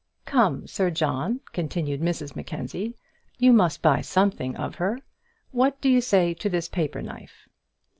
"Come, Sir John," continued Mrs Mackenzie, "you must buy something of her. What do you say to this paper knife?"